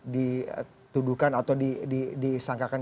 dituduhkan atau disangkakan